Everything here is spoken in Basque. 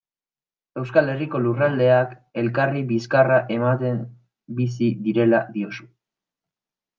Euskal Herriko lurraldeak elkarri bizkarra ematen bizi direla diozu.